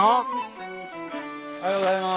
おはようございまーす。